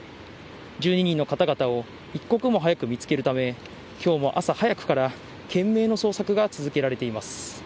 １２人の方々を一刻も早く見つけるため、きょうも朝早くから懸命の捜索が続けられています。